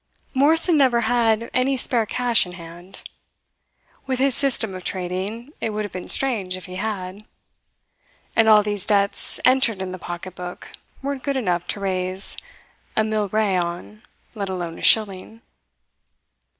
Morrison never had any spare cash in hand. With his system of trading it would have been strange if he had; and all these debts entered in the pocketbook weren't good enough to raise a millrei on let alone a shilling.